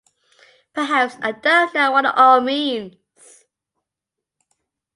Perhaps I don't know what it all means.